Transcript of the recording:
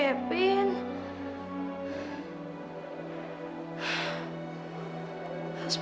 kebanyakan kesilapan setimu